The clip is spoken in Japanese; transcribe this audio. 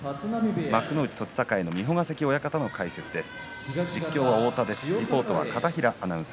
幕内栃栄の三保ヶ関親方の解説です。